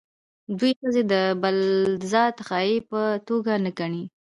دوی ښځې د بالذات غایې په توګه نه ګڼي.